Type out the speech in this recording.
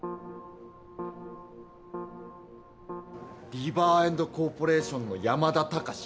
リバーエンドコーポレーションの山田隆史？